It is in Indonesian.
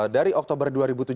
dari oktober dua ribu tujuh belas